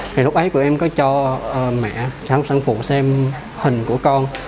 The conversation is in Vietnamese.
thì lúc ấy bọn em có cho mẹ sáng phụ xem hình của con